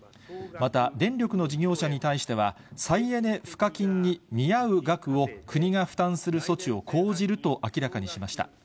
また電力の事業者に対しては、再エネ賦課金に見合う額を国が負担する措置を講じると明らかにしました。